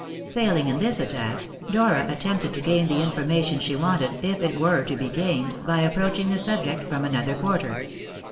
Failing in this attack, Dora attempted to gain the information she wanted, if it were to be gained, by approaching the subject from another quarter.